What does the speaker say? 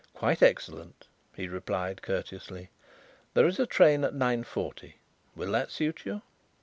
"Quite excellent," he replied courteously. "There is a train at nine forty. Will that suit you?"